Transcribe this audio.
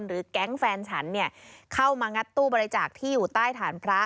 แก๊งแฟนฉันเนี่ยเข้ามางัดตู้บริจาคที่อยู่ใต้ฐานพระ